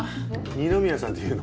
二宮さんっていうの？